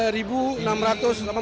dari jadwal yang diperoleh